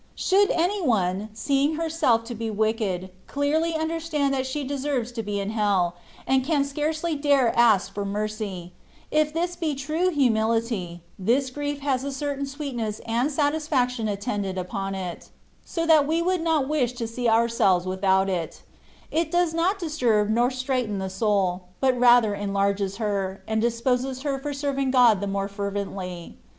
Should any one^ seeing herself to be wicked, clearly understand that she deserves to be in hell, and can scarcely dare ask for mercy, if this be true humility, this grief has a certain sweetness and satisfaction attendant upon it, so that we would not wish to see ourselves without it : it does not disturb nor straiten the soul, but rather enlarges her, and disposes her for serving God the more fervently.